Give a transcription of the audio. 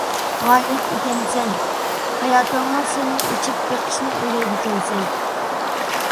غايىلىك ئىكەنسەن، ھاياتنىڭ سىرىنى ئېچىپ بېقىشنى ئويلايدىكەنسەن.